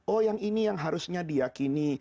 oh yang ini yang harusnya diakini